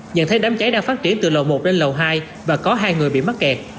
nhận thấy đám cháy đang phát triển từ lầu một lên lầu hai và có hai người bị mắc kẹt